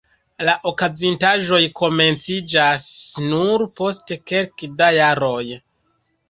La okazintaĵoj komenciĝas nur post kelke da jaroj.